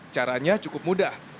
caranya cukup mudah